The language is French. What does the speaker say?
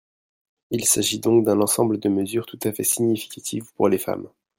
Il s’agit donc d’un ensemble de mesures tout à fait significatives pour les femmes.